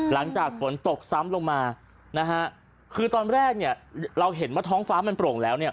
หลังจากฝนตกซ้ำลงมานะฮะคือตอนแรกเนี่ยเราเห็นว่าท้องฟ้ามันโปร่งแล้วเนี่ย